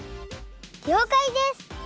りょうかいです！